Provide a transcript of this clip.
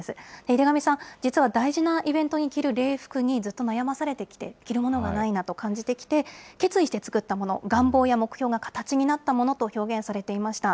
井手上さん、実は大事なイベントに着る礼服にずっと悩まされてきて、着るものがないなと感じてきて、決意して作ったもの、願望や目標が形になったものと表現されていました。